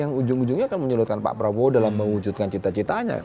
yang ujung ujungnya akan menyulitkan pak prabowo dalam mewujudkan cita citanya